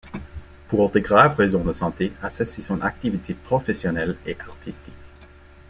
Pour de graves raisons de santé, a cessé son activité professionnelle et artistique.